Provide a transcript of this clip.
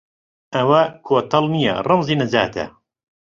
ئەوە کۆتەڵ نییە ڕەمزی نەجاتە